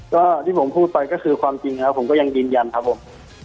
ก็ที่ผมพูดไปก็คือความจริงแล้วผมก็ยังยืนยันครับผม